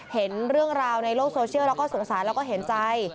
เห็นเรื่องราวในโลกโซเชียลแล้วก็สงสารแล้วก็เห็นใจ